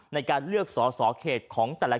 ในการเลือกสอสอเขตของแต่ละ